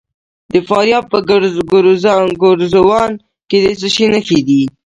د فاریاب په ګرزوان کې د څه شي نښې دي؟